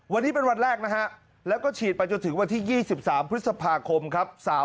วันนี้เป็นวันแรกนะฮะแล้วก็ฉีดไปจนถึงวันที่๒๓พฤษภาคมครับ